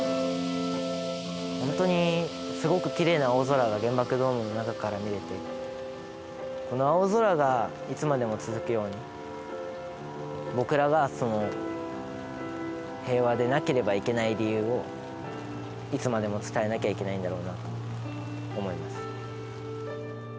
本当にすごくきれいな青空が原爆ドームの中から見れて、この青空がいつまでも続くように、僕らが平和でなければいけない理由を、いつまでも伝えなきゃいけないんだろうなと思います。